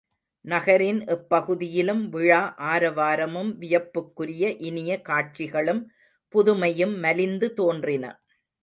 நகரின் எப்பகுதியிலும் விழா ஆரவாரமும் வியப்புக்குரிய இனிய காட்சிகளும் புதுமையும் மலிந்து தோன்றின.